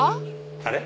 あれ？